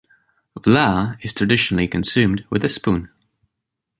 Vla is traditionally consumed with a spoon.